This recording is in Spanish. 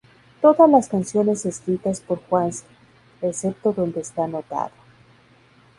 Todas las canciones escritas por Juanse, excepto donde esta anotado.